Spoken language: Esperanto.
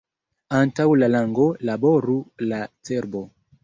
Antaŭ la lango laboru la cerbo.